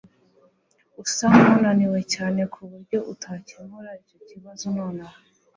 asa nkunaniwe cyane kuburyo atakemura icyo kibazo nonaha.